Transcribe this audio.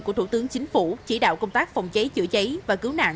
của thủ tướng chính phủ chỉ đạo công tác phòng cháy chữa cháy và cứu nạn